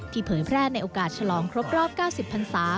เผยแพร่ในโอกาสฉลองครบรอบ๙๐พันศา